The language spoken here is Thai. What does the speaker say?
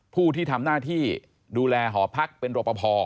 ผู้ที่ทำหน้าที่ดูแลหอพักเป็นรอปภ